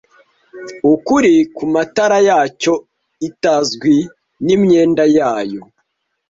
ukuri kumatara yacyo itazwi nimyenda yayo